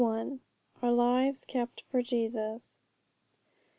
Our Lives kept for Jesus.